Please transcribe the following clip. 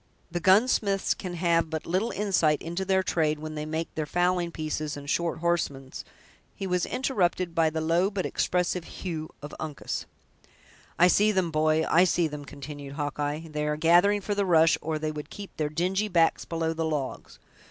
The gunsmiths can have but little insight into their trade when they make their fowling pieces and short horsemen's—" He was interrupted by the low but expressive "hugh" of Uncas. "I see them, boy, I see them!" continued Hawkeye; "they are gathering for the rush, or they would keep their dingy backs below the logs.